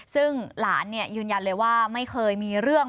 ซึ่งหลานยืนยันเลยว่าไม่เคยมีเรื่อง